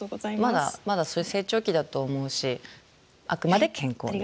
まだそういう成長期だと思うしあくまで健康でいて下さいね。